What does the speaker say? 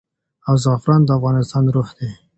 او زعفران د افغانستان روح دی.